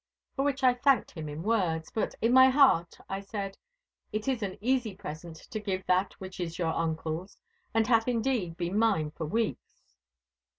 For which I thanked him in words; but in my heart I said, 'It is an easy present to give that which is your uncle's, and hath indeed been mine for weeks.